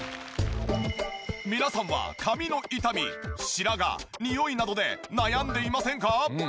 皆さんは髪の傷み白髪ニオイなどで悩んでいませんか？